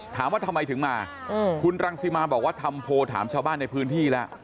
ถามว่าทำไมถึงมาคุณรังสิมาบอกว่าทำโพลถามชาวบ้านในพื้นที่แล้ว